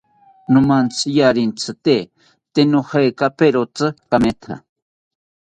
Nomantziarentzite tee nojekaperotzi kametha